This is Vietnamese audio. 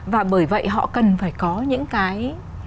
và bởi vậy họ cần phải có những cái